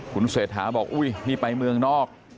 คุณเศรษฐาบอกอุ้ยนี่ไปเมืองนอก